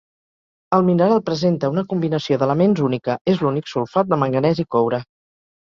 El mineral presenta una combinació d’elements única: és l’únic sulfat de manganès i coure.